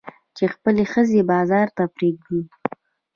چې خپلې ښځې بازار ته پرېږدي.